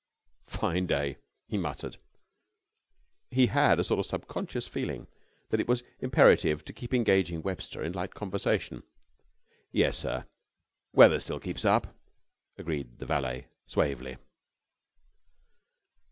"Fine day!" he muttered. He had a sort of subconscious feeling that it was imperative to keep engaging Webster in light conversation. "Yes, sir. Weather still keeps up," agreed the valet suavely.